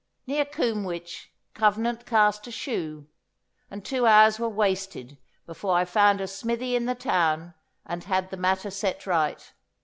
Near Combwich, Covenant cast a shoe, and two hours were wasted before I found a smithy in the town and had the matter set right.